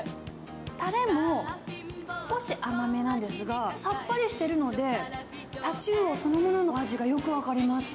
たれも少し甘めなんですが、さっぱりしてるので、タチウオそのもののお味がよく分かります。